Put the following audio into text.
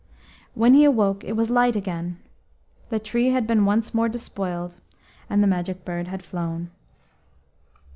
When he awoke it was light again. The tree had been once more despoiled, and the Magic Bird had flown.